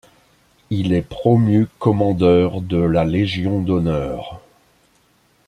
Il est promu commandeur de la Légion d'honneur.